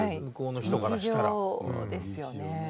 日常ですよね。